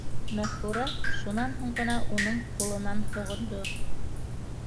Мәғфүрә шунан һуң ғына уның ҡулынан һоғондо.